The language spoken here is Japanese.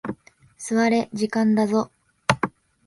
座れ、時間だぞ。